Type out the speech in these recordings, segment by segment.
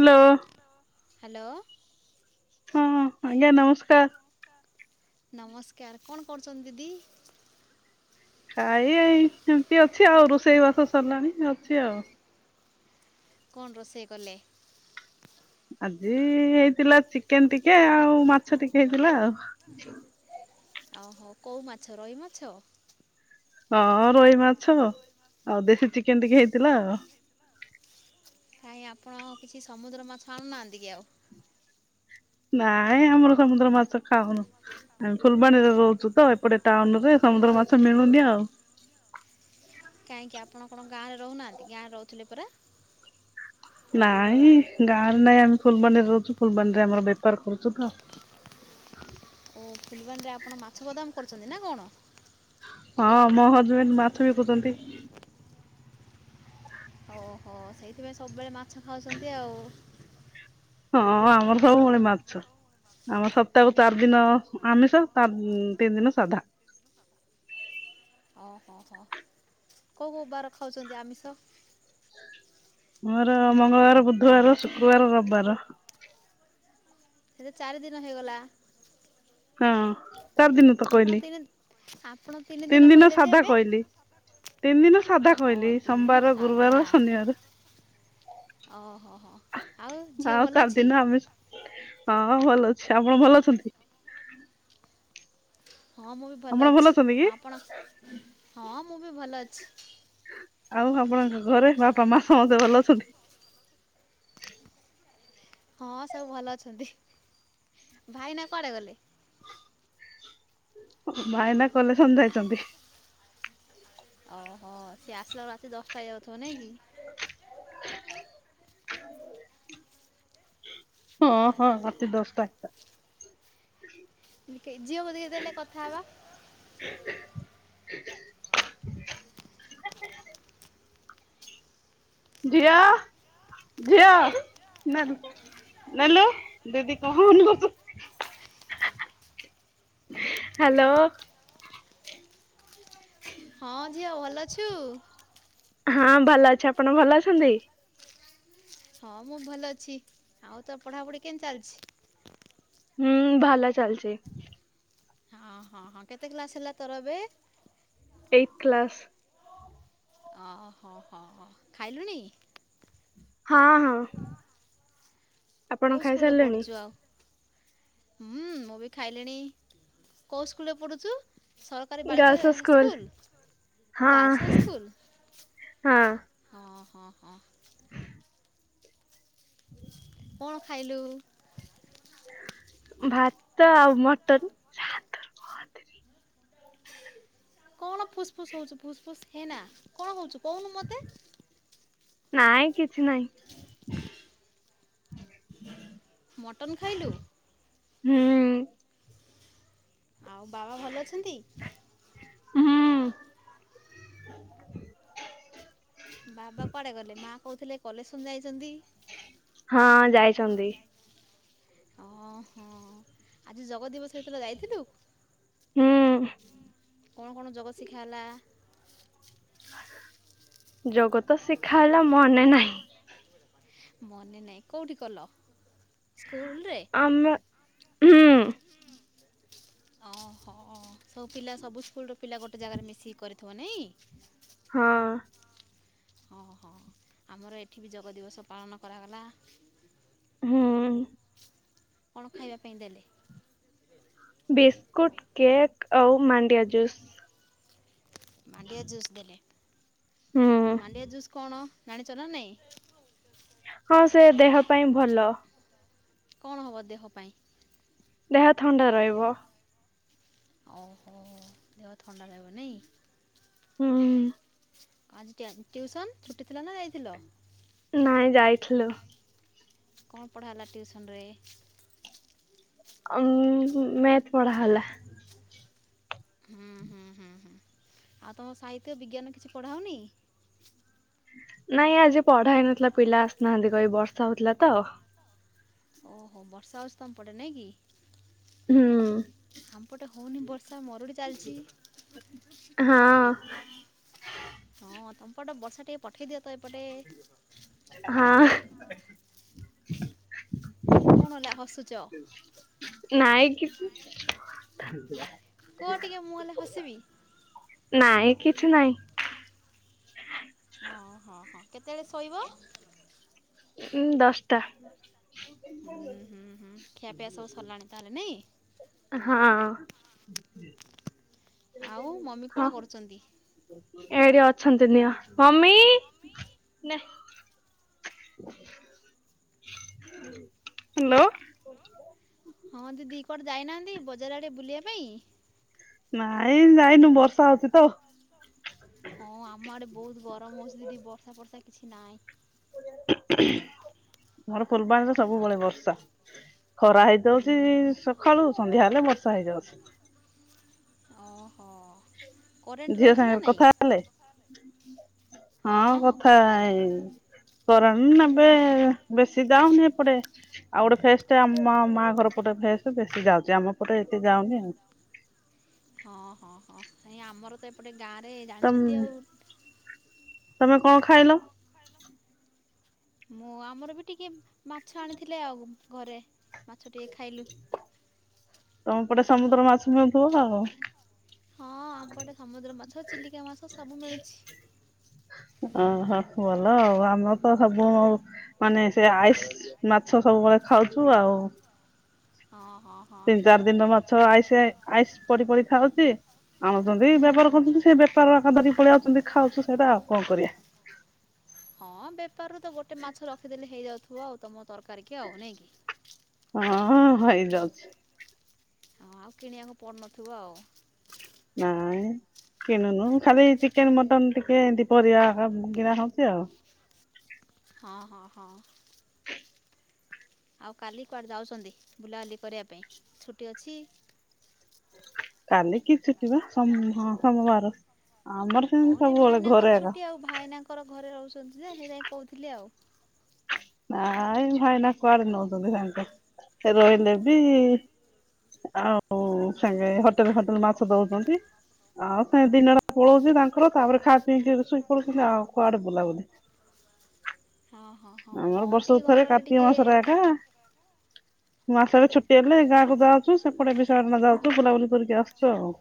Hello. Hello. ହଁ ଆଜ୍ଞା ନମସ୍କାର। ନମସ୍କାର କଣ କରୁଚନ୍ତି ଦିଦି? ଖାଇ ଆଇ ଏମତି ଅଛି ଆଉ ରୋଷେଇ ବାସ ସରିଲାଣି ଅଛି ଆଉ। କଣ ରୋଷେଇ କଲେ? ଆଜି ହେଇଥିଲା ଚିକେନ ଟିକେ ଆଉ ମାଛ ଟିକେ ହେଇଥିଲା ଆଉ। ଆଉ ହଉ କୋଉ ମାଛ ରହି ମାଛ? ହଁ ରୋହି ମାଛ ଆଉ ଦେଶୀ ଚିକେନ୍ ଟିକେ ହେଇଥିଲା। କାଇଁ ଆପଣ କିଛି ସମୁଦ୍ର ମାଛ ଆଣୁନାହାନ୍ତି କି ଆଉ? ନାଇଁ ଆମର ସମୁଦ୍ର ମାଛ ଖାଉନୁ। ଆମେ ଫୁଲବାଣୀରେ ରହୁଚୁ ତ ଏପଟେ ଟାଉନ୍ ରେ ସମୁଦ୍ର ମାଛ ମିଳୁନି ଆଉ। କାହିଁକି ଆପଣ କଣ ଗାଁରେ ରହୁନାହାନ୍ତି ଗାଁରେ ରହୁଥୁଲେ ପରା। ନାଇଁ ଗାଁରେ ନାଇଁ ଆମେ ଫୁଲବାଣୀରେ ରହୁଚୁ ଫୁଲବାଣୀରେ ଆମର ବେପାର କରୁଚୁ ତ। ଓ ଫୁଲବାଣୀରେ ଆପଣ ମାଛ ଗୋଦାମ କରୁଛନ୍ତି ନାଁ କଣ? ହଁ ମୋ ହଜବେଣ୍ଡ୍ ମାଛ ବିକୁଚନ୍ତି। ହ ହୋ ସେଇଥିପାଇଁ ସବୁବେଳେ ମାଛ ଖାଉଛନ୍ତି ଆଉ। ହଁ ଆମର ସବୁବେଳେ ମାଛ। ଆମର ସପ୍ତାହକୁ ଚାରି ଦିନ ଆମିଷ ତା ତିନି ଦିନ ସାଧା। ଓହୋ କୋଉ କୋଉ ବାର ଖାଉଚନ୍ତି ଆମିଷ? ମୋର ମଙ୍ଗଳବାର ବୁଧବାର ଶୁକ୍ରବାର ରବାର। ସେ ତ ଚାରି ଦିନ ହେଇଗଲା। ହଁ ଚାରି ଦିନ ତ ଆପଣ କହିଲି ତିନି ଆପଣ ତିନି ଦିନ କହିଲେ ଯେ ସାଧା ଏବେ କହିଲି। ତିନି ଦିନ ସାଧା ଓ କହିଲି ତିନି ଦିନ ସୋମବାର ସାଧା ଗୁରୁବାର ଶନିବାର। ଓହୋ ହୋ ଆଉ ଝିଅ ଭଲ ଚାରି ଅଛି? ଦିନ ଆମିଷ। ହଁ ଭଲ ଅଛି ଆପଣ ଭଲ ଅଛନ୍ତି? ହଁ ମୁଁ ବି ଆପଣ ଭଲ ଅଛନ୍ତି ଅଛି କି? ଆପଣ ହଁ ମୁଁ ବି ଭଲ ଅଛି। ଆଉ ଆପଣଙ୍କ ଘରେ ବାପା ମା ସମସ୍ତେ ଭଲ ଅଛନ୍ତି? ହଁ ସବୁ ଭଲ ଅଛନ୍ତି ଭାଇନା କୁଆଡ଼େ ଗଲେ? ଭାଇନା କଲେସନ୍ ଯାଇଚନ୍ତି। ଅହ ସିଏ ଆସିଲା ଅଳୁ ରାତି ଦଶଟା ଯାଉଥୁବ ନାଇଁ କି? [unintelligible] ହଁ ହଁ ରାତି ଦଶଟା ଏକା। ମୁଁ ଲି କେଇ ଝିଅକୁ ଟିକେ ଦେଲେ କଥା ହେବା। ଝିଅ ଝିଅ ନେଲୁ। ନେଲୁ ଦିଦି କହୁନୁ। ହାଲୋ। ହଁ ଝିଅ ଭଲ ଅଛୁ? ହଁ ଭଲ ଅଛି ଆପଣ ଭଲ ଅଛନ୍ତି? ହଁ ମୁଁ ଭଲ ଅଛି ଆଉ ତୋର ପଢ଼ାପଢ଼ି କେଁ ଚାଲିଚି? ହୁଁ ଭଲ ଚାଲଚି। ଅଁ ହଁ ହଁ କେତେ କ୍ଲାସ୍ ହେଲା ତୋର ଏବେ? ଏଇ କ୍ଲାସ୍। ଅ ହ ହ ହ ଖାଇଲୁଣି? ହଁ ହଁ। ଆପଣ କଉ ସ୍କୁଲ୍ ରେ ଖାଇସାରିଲେଣି? ପଢ଼ୁଚୁ ଆଉ? ହୁଁ ମୁଁ ବି ଖାଇଲିଣି କୋଉ ସ୍କୁଲ୍ ରେ ପଢ଼ୁଚୁ? ସରକାରୀ ବାଳିକା girls school school girls high ହଁ ସ୍କୁଲ୍? ହଁ ହଁ ହଁ ହଁ। କଣ ଖାଇଲୁ? ଭାତ ଆଉ ମଟନ୍। କଣ ଫୁସ୍ ଫୁସ୍ ହଉଚୁ ଫୁସ୍ ଫୁସ୍ ହେନା କଣ ହଉଚୁ କହୁନୁ ମତେ। ନାଇଁ କିଛି ନାଇଁ। ମଟନ୍ ଖାଇଲୁ? ହୁଁ ଆଉ ବାବା ଭଲ ଅଛନ୍ତି? ହୁଁ ବାବା କୁଆଡେ ଗଲେ ମା କହୁଥିଲେ କଲେକସନ ଯାଇଛନ୍ତି? ହଁ ଯାଇଛନ୍ତି। ଓଁ ହଁ ଆଜି ଜଗ ଦିବସ ଏତେବେଳେ ଯାଇଥିଲୁ? ହୁଁ କଣ କଣ ଯୋଗ ଶିଖା ହେଲ? ଜଗତ ଶିଖା ହେଲା ମନେ ନାହିଁ। ମନେ ନାଇଁ କୋଉଠି କଲ? ସ୍କୁଲରେ? ଆମେ ହୁଁ ଓହୋ ସବୁ ପିଲା ସବୁ ସ୍କୁଲର ପିଲା ଗୋଟେ ଜାଗାରେ ମିଶିକି କରିଥିବ ନାଇଁ? ହଁ ହଁ ହଁ ଆମର ଏଠି ବି ଯୋଗ ଦିବସ ପାଳନ କରାଗଲା। ହୁଁ କଣ ଖାଇବା ପାଇଁ ଦେଲେ? ବିସ୍କୁଟ୍ କେକ୍ ଆଉ ମାଣ୍ଡିଆ ଜୁସ୍। ମାଣ୍ଡିଆ ଜୁସ୍ ଦେଲେ ହୁଁ ମାଣ୍ଡିଆ ଜୁସ୍ କଣ ଜାଣିଛ ନା ନାଇଁ? ହଁ ସେ ଦେହ ପାଇଁ ଭଲ। କଣ ହବ ଦେହ ପାଇଁ? ଦେହ ଥଣ୍ଡା ରହିବ। ଓହୋ ଦେହ ଥଣ୍ଡା ରହିବ ନାଇ? ହୁଁ ଆଜି ଟିଉସନ୍ ଛୁଟି ଥିଲା ନା ଯାଇଥିଲ? ନାଇଁ ଯାଇଥିଲୁ। କଣ ପଢ଼ା ହେଲା ଟିଉସନ୍ ରେ? ଉ ମେଥ ପଢ଼ା ହେଲା। ହୁଁ ହୁଁ ହୁଁ ହୁଁ ଆଉ ତୁମ ସାହିତ୍ୟ ବିଜ୍ଞାନ କିଛି ପଢ଼ାଉନି? ନାଇଁ ଆଜି ପଢା ହେଇନଥିଲା ପିଲା ଆସିନାହାନ୍ତି କହି ବର୍ଷା ହଉଥିଲା ତ। ଓହୋ ବର୍ଷା ହେଉଷ ତମ ପଟେ ନାଇଁ କି? ହୁଁ ଆମ୍ପଟେ ହେଉନି ବର୍ଷା ମରୁଡ଼ି ଚାଲିଛି। ହଁ ହଁ ତମପଟେ ବର୍ଷା ଟିକେ ପଠେଇ ଦିଅ ତ ଏପଟେ। ହଁ କଣ ହେଲା ହସୁଚ? ନାଇଁ କିଛି କୁହ ଟିକେ ମୁଁ ହେଲେ ହସିବି? ନାଇଁ କିଛି ନାଇଁ। ଓହୋ ହଁ କେତେବେଳେ ଶୋଇବ? ଉଁ ଦଶଟା ହୁଁ ହୁଁ ହୁଁ ଖିଆପିଆ ସବୁ ସରିଲାଣି ତାହେଲେ ନାଇଁ? ହଁ ଆଉ ମମି ହଁ କଣ କରୁଛନ୍ତି? ଏଇଠି ଅଛନ୍ତି ନିଅ ମମି [unintelligible] ହ୍ୟାଲୋ ହଁ ଦିଦି କୁଆଡେ ଯାଇନାହାନ୍ତି ବଜାର ଆଡ଼େ ବୁଲିବା ପାଇଁ? ନାଇଁ ଯାଇନୁ ବର୍ଷା ହଉଛି ତ। ହଁ ଆମ ଆଡ଼େ ବହୁତ ଗରମ ହେଉଛି ଦିଦି ବର୍ଷା ଫର୍ଷା କିଛି ନାହିଁ। ମୋର [unintelligible] ସବୁବେଳେ ବର୍ଷା। ଖରା ହେଇଯାଉଛି ହୁଁ ସକାଳୁ ସନ୍ଧ୍ୟା ହେଲେ ବର୍ଷା ହେଇଯାଉଛି। ଓହୋ କରେଣ୍ଟ ଝିଅ ରହୁଛି ନା ସାଙ୍ଗରେ ନାଇଁ? କଥା ହେଲେ? ହଁ କଥା ଏଇ କରଣ ଏବେ ବେଶୀ ଦାଉନି [unintelligible] ଏପଡେ ଆଉ ଗୋଟେ ଫେସ ଟେ ଆମ ମା ଘର ପଟେ ଫେସ୍ ବେଶୀ ଯାଉଛି ଆମ ପଟେ ଏତେ ଯାଉନି ଆଉ। ହଁ ହଁ ହଁାଇ ଆମର ତ ଏପଟେ ଗାଁରେ ତମ ଜାଣିଛନ୍ତି ଆଉ। ତମେ କଣ ଖାଇଲ? ମୁଁ ଆମର ବି ଟିକିଏ ମାଛ ଆଣିଥିଲି ଆଉ ଘରେ ମାଛ ଟିକେ ଖାଇଲୁ। ତମ ପଟେ ସମୁଦ୍ର ମାଛ ମିଳୁଉଥିବ ଆଉ। ହଁ ଆମପଟେ ସମୁଦ୍ର ମାଛ ଚିଲିକା ମାଛ ସବୁ ମିଳୁଛି। ଅହ ଭଲ ଆଉ ଆମର ତ ସବୁ ଆଉ ମାନେ ସେ ଆଇସ ମାଛ ସବୁବେଳେ ଖାଉଛୁ ଆଉ। ହଁ ହଁ ତିନି ଚାରି ଦିନ ମାଛ ଆଇ ଆଇସ ପଡି ପଡି ଖାଉଥିବେ ଆଣୁଛନ୍ତି ହୁଁ। ବେବହାର କରୁଛନ୍ତି ସେ ାର କାିକ ପଳଆାଉଛନ୍ତି ଖାଉୁ ସେଇଟା ଆଉ କଣ କରିବା। ହଁ ବେପାରରୁ ତ ଗୋଟେ ମାଛ ରଖିଦେଲେ ହେଇଯାଉଥିବ ଆଉ ତମ ତରକାରୀ କି ଆଉ ନାଇଁ କି? ହଁ ହେଇଯାଉଛି। ହଁ ଆଉ କିଣିବାକୁ ପଡ଼ୁନଥିବ ଆଉ? ନାହିଁ କିଣୁନୁ ଖାଲି ଚିକେନ ମଟନ ଟିକେ ଦିପରିଆ କିଣା ଖାଉଛି ଆଉ। ହଁ ହଁ ହଁ ଆଉ କାଲି କୁଆଡ଼େ ଯାଉଛନ୍ତି ବୁଲାବୁଲି କରିବା ପାଇଁ ଛୁଟି ଅଛି। କାଲି କି ଛୁଟିବାଁ ସୋମବାର। ଆମର ହଁ ସେମିତି ନାଇଁ ସବୁବେଳେ ଘରେ ଭାଇନାଙ୍କର ଏକା ଛୁଟି ଆଉ ଭାଇନାଙ୍କର ଘରେ ରହୁଛନ୍ତି ଯେ ସେଇପାଇ କହୁଥିଲି ଆଉ। ନାଇଁ ଭାଇନା କୁଆଡେ ନଉଛନ୍ତି ତାଙ୍କ ସେ ରହିଲେ ବି ଆଉ ସାଙ୍ଗେ ହୋଟେଲ ଫୋଟେଲ ମାଛ ଦଉଛନ୍ତି। ଆଉ ସେ ଦିନ ଟା ପଳଉଛି ତାଙ୍କର ତାପରେ ଖାଇ ପିଇକି ଶୋଇ ପଡଉଛନ୍ତି। ଆଉ କୁଆଡେ ବୁଲାବୁଲି ଓଁ ହଁ ହଁ ଆମର ହଁ ବର୍ଷ ଟିକେ ଘରେ ଥରେ ରହିଲେ କାର୍ତ୍ତିକ ଟିକେ ମାସଟା ଏକା ମୁଁ ଆସେ ଛୁଟି ହେଲେ ଗାଁକୁ ଯାଉଛୁ ସେପଟେ ବିଶାଖାପାଟଣା ଯାଉଛୁ ବୁଲାୁଲି କରିକି ଆସୁ ଆଉ।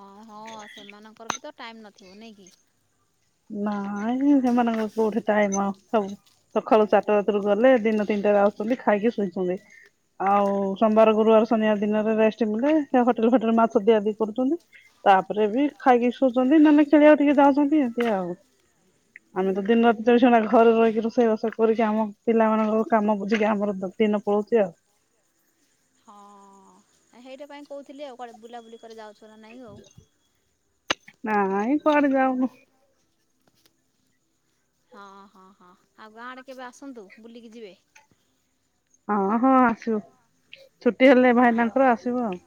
ହଁ, ହଁ ସେମାନଙ୍କର ବି ତ ଟାଇମ୍ ନଥିବ ନାଇଁ କି। ନାଇ, ସେମାନଙ୍କର କୋଉଠି ଟାଇମ ହବ, ସବୁ ସକାଳୁ ଚାରିଟା ରାତିରୁ ଗଲେ ଦିନ ତିନିଟାାରେ ଆସୁଛନ୍ତି ଖାଇକି ଶୋଇଛନ୍ତି। ଆଉ ସୋମବାର ଗୁରୁବାର ଶନିବାର ଦିନରେ ରେଷ୍ଟ ନେଲେ, ହୋଟେଲ ଫୋଟେଲ ମାଛ ଦିଆ ଦୁଇ କରୁଛନ୍ତି। ତାପରେ ବି ଖାଇକି ଶୋଉଛନ୍ତି ନହେଲେ ଖେଳିବାକୁ ଟିକେ ଯାଉଛନ୍ତି, ଏମିତି ଆଉ। ହୁଁ ଆମେ ତ ଦିନ ହୁଁ ରାତି ହୁଁ ଚଵିଶ ଘଣ୍ଟା ଘରେ ରହିକି ରୋଷେଇ ବାସ କରିକି ଆମ ପିଲାମାନଙ୍କର କାମ ବୁଝିକି ଆମର ଦିନ ପଳୁଛି ଆଉ। ହଁ -ସେଇଟା ପାଇଁ କହୁଥିଲି ଆଉ କୁଆଡ଼େ ବୁଲାବୁଲି କରି ଯାଉଛ ନା ନାଇଁ ଆଉ? ନାଇ କୁଆଡେ ଯାଉନ। ହଁ, ହଁ, ହଁ ଆଉ ଗାଁଆଡ଼େ କେବେ ଆସନ୍ତୁ, ବୁଲିକି ଯିବେ। ହଁ, ହଁ, ଆସିବୁ ଛୁଟି ହେଲେ ଭାଇ ହଁ ନାଙ୍କର ଆସିବୁ ଆଉ।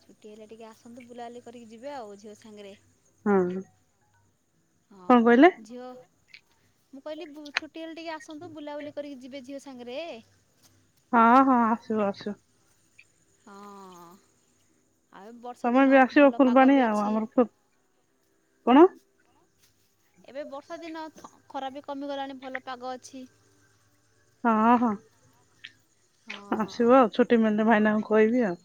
ଛୁଟି ହେଲେ ଟିକେ ଆସନ୍ତୁ ବୁଲାବୁଲି କରିକି ଯିବେ ଆଉ ଝିଅ ସାଙ୍ଗରେ। ହଁ ହଁ, କଣ କହିଲେ ଝିଅ ମୁଁ କହିଲି ଛୁଟି ହେଲେ ଟିକେ ଆସନ୍ତୁ ବୁଲାବୁଲି କରିକି ଯିବେ ଝିଅ ସାଙ୍ଗରେ। ହଁ, ହଁ ଆସୁ ଆସୁ। ହଁ, ଆଉ ବର୍ଷା ତମେ ଦିନ ବି ଆସିବ ଭଲ ପାଗ ଫୁଲବାଣୀ ବି ଆଉ ଅଛି। ଆମର ଫୁ କଣ? ଏବେ ବର୍ଷା ଦିନ ଖରାଵି କମିଗଲାଣି ଭଲ ପାଗ ଅଛି। ହଁ, ହଁ ହଁ ଆସିବ ଆଉ ଛୁଟି ମିଳିଲେ ଭାଇନାଙ୍କୁ କହିବି ଆଉ।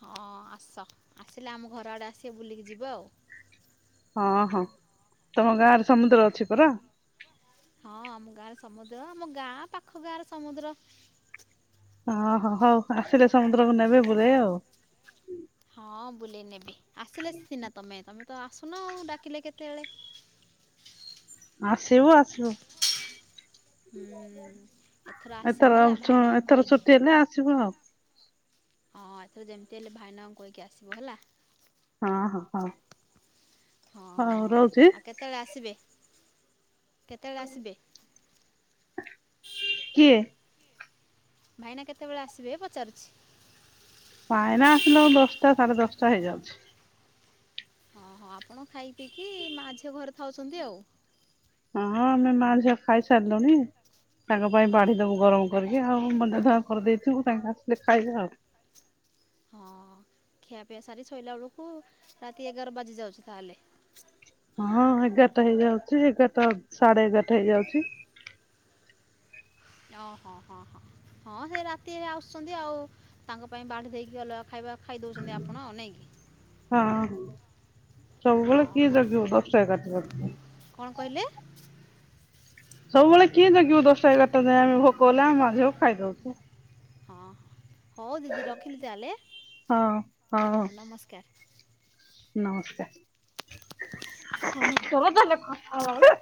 ହଁ ଆସ, ଆସିଲେ ଆମ ଘର ଆଡ଼େ ଆସିବେ ବୁଲିକି ଯିବ ଆଉ। ହଁ, ହଁ ତମ ଗାଁରେ ସମୁଦ୍ର ଅଛି ପରା? ହଁ ଆମ ଗାଁରେ ସମୁଦ୍ର ଆମ ଗାଁ ପାଖ ଗାଁର ସମୁଦ୍ର। ହଁ ହଁ ହୋଉ, ଆସିଲେ ସମୁଦ୍ରକୁ ନେବେ ଵୁଲେଇ ଆଉ। ହଁ ବୁଲେଇ ନେବି, ଆସିଲେ ସିନା ତମେ ତମେ ତ ଆସୁନ ଆଉ ଡାକିଲେ କେତେବେଳେ। ଆସିବୁ, ଆସିବୁ। [unintelligible] ହୁଁ ଏଥର ଆସିବ ହେଲା ଭାଇନାଙ୍କୁ ଏଥର କହିକି। ଛୁଟି ହେଲେ ଆସିବୁ ଆଉ ହଁ, ଏଥର ଯେମିତି ହେଲେ ଭାଇନାଙ୍କୁ କହିକି ଆସିବ ହେଲା। ହଁ, ହଁ, ହଁ। ହଁ, ଆଉ କେତେବେଳେ ଆସିବେ, କେତେବେଳେ ଆସିବେ? କିଏ ଭାଇନା କେତେବେଳେ ଆସିବେ ପଚାରୁଛି। କାଇନା ଆସିଲା କୁ ଦଶଟା ସାଢେ ଦଶଟା ହେଇଯାଉଛି। ହଁ, ହଁ ଆପଣ ଖାଇ ପିଇକି ମା ଝିଅ ଘରେ ଥାଉଛନ୍ତି ଆଉ। ହଁ, ଆମେ ମା ଝିଅ ଖାଇ ସାରିଲୁଣି। ତାଙ୍କ ପାଇଁ ବାଢି ଦବୁ ଗରମ କରିକି ଆଉ ମନେ ଧ କରିଦେଇଥିବୁ ତାଙ୍କ ଆସିଲେ ଖାଇବା ଆଉ। ହଁ ଖିଆପିଆ ସାରି ଶୋଇଲା ବେଳକୁ ରାତି ଏଗାର ବାଜି ଯାଉଛି ତାହେଲେ? ହଁ ଏଗାରଟା ହେଇଯାଉଛି ଏଗାରଟା ସାଢେ ହେଇଯାଉଛି। ଓହୋ ହ ହୋ ହଁ ସେ ରାତି ଆସୁଛନ୍ତି ଆଉ ତାଙ୍କ ପାଇଁ ବାଢି ଦେଇକି ଅଲଗା ଖାଇବା ଖାଇ ଦେଉଛନ୍ତି ଆପଣ ଆଉ ନେଇକି? ହଁ। ସବୁବେଳେ କିଏ ଜଗିବ ଦଶ ଏଗାରଟା ରାତି। କଣ କହିଲେ? ସବୁବେଳେ କିଏ ଜଗିବ ଦଶଟା ଏଗାରଟା ଯାଏ ଆମେ ଭୋକ ହେଲେ ଆମେ ମାଝିଅ ଖାଇଦଉଛୁ। ହଁ, ହଉ ଦିଦି ରଖିଲି ତାହେଲେ ହଁ ହଁ ହଉ ନମସ୍କାର। [unintelligible]